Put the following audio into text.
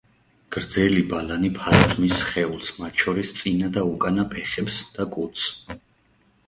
გრძელი ბალანი ფარავს მის სხეულს, მათ შორის, წინა და უკანა ფეხებს და კუდს.